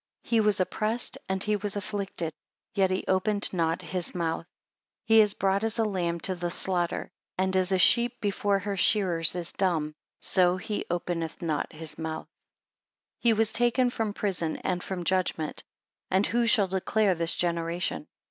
9 He was oppressed, and he was afflicted, yet he opened not his mouth: he is brought as a lamb to the slaughter; and as a sheep before her shearers is dumb, so he openeth not his mouth. 10 He was taken from prison and from judgment; and who shall declare this generation?